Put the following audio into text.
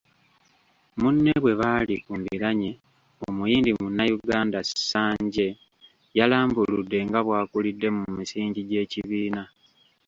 Munne bwebali ku mbiranye Omuyindi munnayuganda Sanjay, yalambuludde nga bwakulidde mu misingi gy’ekibiina.